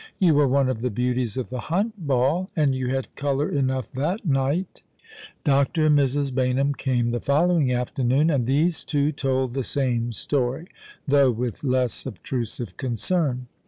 " You were one of the beauties of the Hunt Ball, and you had colour enough that night." Dr. and Mrs. Baynham came the following afternoon, and these two told the same story, though with less obtrusivo ccncern.